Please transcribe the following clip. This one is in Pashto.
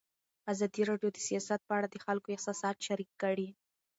ازادي راډیو د سیاست په اړه د خلکو احساسات شریک کړي.